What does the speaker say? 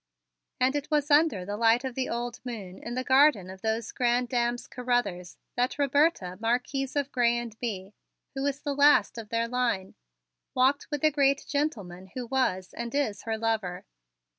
And it was under the light of the old moon, in the garden of those grande dames Carruthers, that Roberta, Marquise of Grez and Bye, who is the last of their line, walked with the great gentleman who was and is her lover.